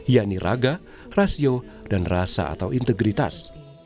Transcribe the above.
yakni raga rasio dan rasa atau integritas